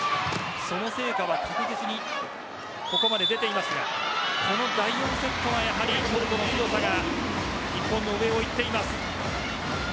その成果は確実にここまで出ていますが第４セットはやはりトルコの強さが日本の上をいっています。